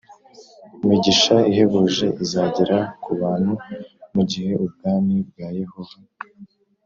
imigisha ihebuje izagera ku bantu mu gihe Ubwami bwa Yehova